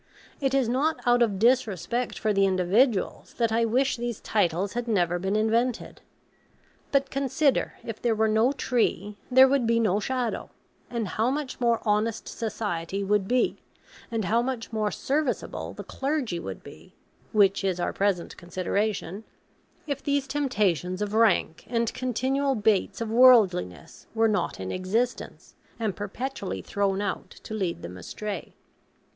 it is not out of disrespect for the individuals, that I wish these titles had never been invented; but, consider, if there were no tree, there would be no shadow; and how much more honest society would be, and how much more serviceable the clergy would be (which is our present consideration), if these temptations of rank and continual baits of worldliness were not in existence, and perpetually thrown out to lead them astray.